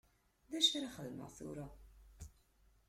D acu ara xedmeɣ tura?